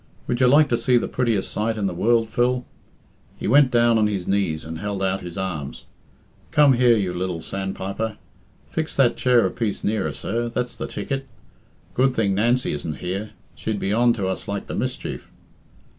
Would you like to see the prettiest sight in the world, Phil?" He went down on his knees and held out his arms. "Come here, you lil sandpiper. Fix that chair a piece nearer, sir that's the ticket. Good thing Nancy isn't here. She'd be on to us like the mischief.